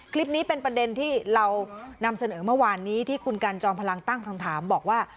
คลิปนี้เป็นประเด็นที่เรานำเสนอเมื่อวานนี้ที่คุณกันจอมพลังตั้งคำถามบอกว่า